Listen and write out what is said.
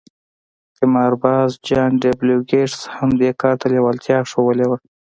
قمارباز جان ډبلیو ګیټس هم دې کار ته لېوالتیا ښوولې وه